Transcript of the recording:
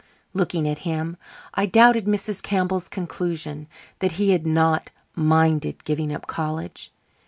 Looking at him, I doubted Mrs. Campbell's conclusion that he had not "minded" giving up college.